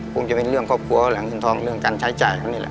คงจะเป็นเรื่องครอบครัวหลังเงินทองเรื่องการใช้จ่ายเขานี่แหละ